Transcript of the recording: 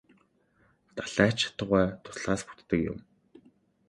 Далай ч атугай дуслаас бүтдэг юм.